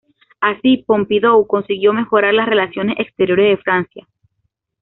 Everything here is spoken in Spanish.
Así, Pompidou consiguió mejorar las relaciones exteriores de Francia.